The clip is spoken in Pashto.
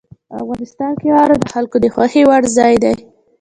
افغانستان کې واوره د خلکو د خوښې وړ ځای دی.